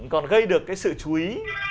còn gây được cái sự chú ý